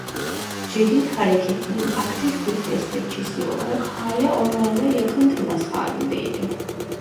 Cedid hareketinin aktif bir destekçisi olarak hâlâ onlarla yakın temas halindeydi.